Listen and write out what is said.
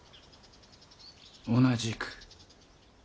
同じく。